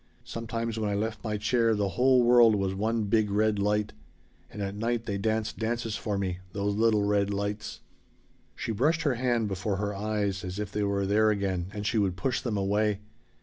Sometimes when I left my chair the whole world was one big red light. And at night they danced dances for me those little red lights." She brushed her hand before her eyes as if they were there again and she would push them away.